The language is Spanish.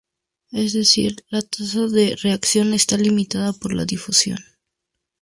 Es decir, la tasa de reacción está limitada por la difusión.